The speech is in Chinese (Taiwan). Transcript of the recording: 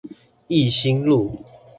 一心路